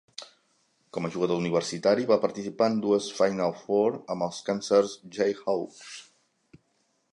Com a jugador universitari, va participar en dues "Final Four" amb els Kansas Jayhawks.